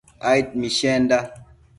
aid mishenda